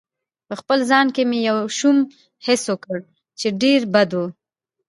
په خپل ځان کې مې یو شوم حس وکړ چې ډېر بد و.